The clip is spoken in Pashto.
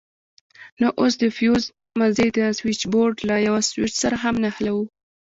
نو اوس د فيوز مزي د سوېچبورډ له يوه سوېچ سره هم نښلوو.